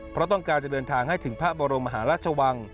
เพราะต้องการจะเดินทางให้ถึงพระบรมมหาราชวัง